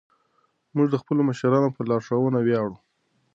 موږ د خپلو مشرانو په لارښوونه ویاړو.